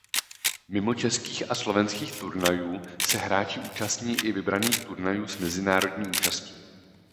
Mimo českých a slovenských turnajů se hráči účastní i vybraných turnajů s mezinárodní účastí.